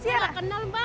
enggak kenal mbak